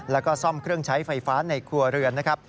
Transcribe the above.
แล้วก็ซ่อมเครื่องใช้ไฟฟ้าในครัวเรือนนะครับ